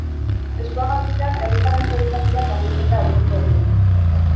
Eskuak garbitzeak herritarren segurtasuna eta ongizatea hobetuko ditu.